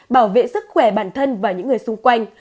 bảo vệ sức khỏe bản thân và những người xung quanh